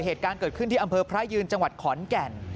เหตุการณ์เกิดขึ้นที่อำเภอพระยืนจังหวัดขอนแก่น